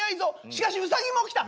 しかしウサギも来た！